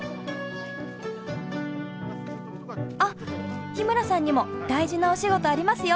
あっ日村さんにも大事なお仕事ありますよ。